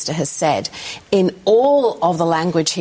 dalam semua bahasa yang dia gunakan